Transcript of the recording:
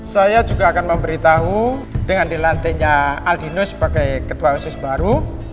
saya juga akan memberitahu dengan dilantiknya aldino sebagai ketua osis baru